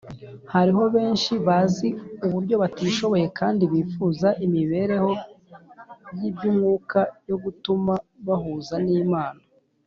. Hariho benshi bazi uburyo batishoboye kandi bifuza imibereho y’iby’umwuka yo gutuma bahuza n’Imana